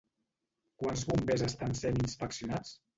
Quants bombers estan sent inspeccionats?